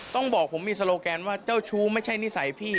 ต้องบอกผมมีโซโลแกนว่าเจ้าชู้ไม่ใช่นิสัยพี่